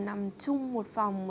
nằm chung một phòng